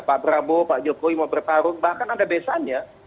pak prabowo pak jokowi mau bertarung bahkan ada besannya